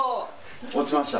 落ちました。